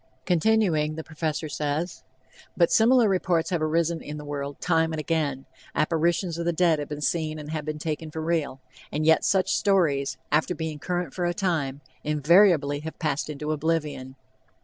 Continuing, the Professor says: "But similar reports have arisen in the world time and again, apparitions of the dead have been seen and have been taken for real; and yet such stories, after being current for a time, invariably have passed into oblivion.